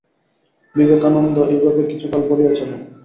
বিবে কানন্দ এইভাবে কিছুকাল বলিয়া চলেন।